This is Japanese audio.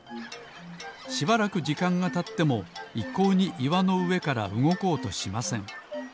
しばらくじかんがたってもいっこうにいわのうえからうごこうとしません。